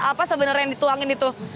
apa sebenarnya yang dituangin itu